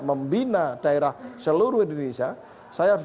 membina daerah seluruh indonesia saya harus